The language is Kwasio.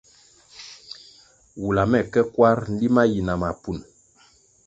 Wula me ke kwar nlima yi na mapun.